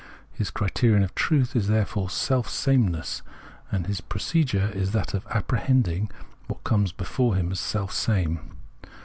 His criterion of truth is therefore scl/' sameness, and his procedure is that of apprehending what comes before him as self same.